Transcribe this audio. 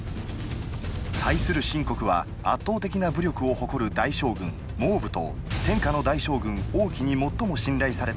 対する秦国は圧倒的な武力を誇る大将軍・蒙武と天下の大将軍・王騎に最も信頼された騰が迎え撃つ。